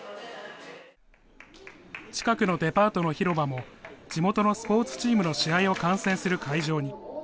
近くのデパートの広場も、地元のスポーツチームの試合を観戦する会場に。